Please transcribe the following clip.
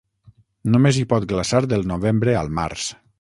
Només hi pot glaçar del novembre al març.